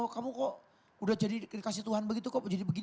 kamu kok udah jadi dikasih tuhan begitu kok jadi begini